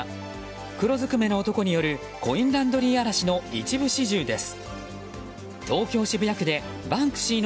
黒ずくめの男によるコインランドリー荒らしの一部始終です。